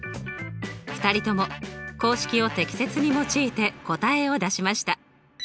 ２人とも公式を適切に用いて答えを出しました。